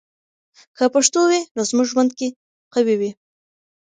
که پښتو وي، نو زموږ ژوند کې قوی وي.